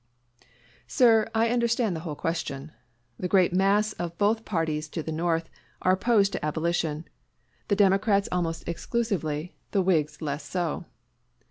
Sir, I understand this whole question. The great mass of both parties to the North are opposed to abolition: the Democrats almost exclusively; the Whigs less so.